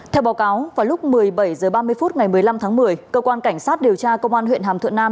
theo báo cáo vào lúc một mươi bảy h ba mươi phút ngày một mươi năm tháng một mươi cơ quan cảnh sát điều tra công an huyện hàm thuận nam